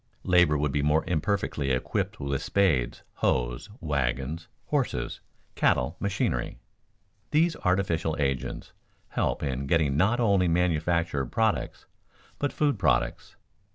Labor would be more imperfectly equipped with spades, hoes, wagons, horses, cattle, machinery. These artificial agents help in getting not only manufactured products, but food products.